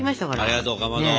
ありがとうかまど。